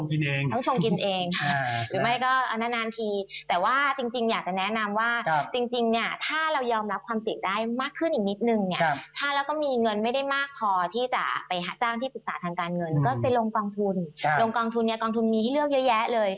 หรือดีกว่าค่อนข้างหากที่จะไปหาจ้างที่ปรึกษาทางการเงินก็ไปลงกองทุนลงกองทุนมีที่เลือกเยอะแยะเลย